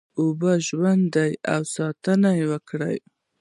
اوبه ژوند دی او ساتنه یې وکړی